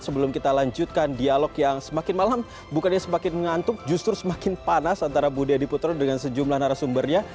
sebelum kita lanjutkan dialog yang semakin malam bukannya semakin mengantuk justru semakin panas antara budi adiputro dengan sejumlah narasumbernya